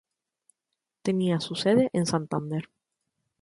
Tenía su sede en Santander.